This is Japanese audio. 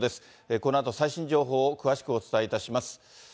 このあと、最新情報を詳しくお伝えいたします。